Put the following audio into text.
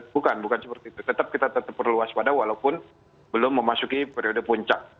bukan bukan seperti itu tetap kita tetap perlu waspada walaupun belum memasuki periode puncak